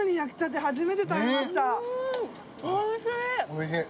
おいしい。